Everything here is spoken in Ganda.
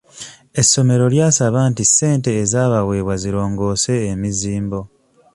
Essomero lyasaba nti ssente ezabaweebwa zirongoose emizimbo.